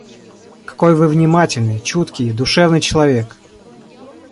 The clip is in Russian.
Какой Вы внимательный, чуткий, душевный человек!